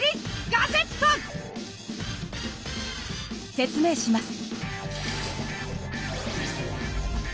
説明します。